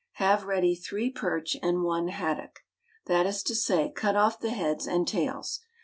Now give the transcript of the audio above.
Have ready three perch and one haddock. That is to say: cut off the heads and tails.